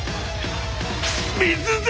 水だ！